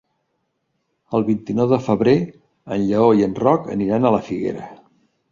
El vint-i-nou de febrer en Lleó i en Roc aniran a la Figuera.